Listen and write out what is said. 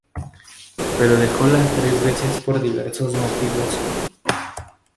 Pero dejó las tres veces por diversos motivos.